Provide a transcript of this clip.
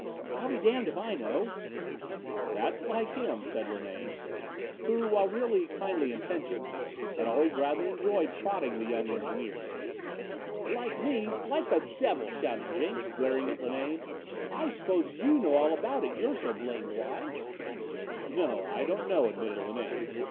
"I'll be damned if I know." "That's like him," said Linane, who, while really kindly intentioned, had always rather enjoyed prodding the young engineer. "Like me, like the devil," shouted Jenks, glaring at Linane. "I suppose you know all about it, you're so blamed wise." "No, I don't know," admitted Linane.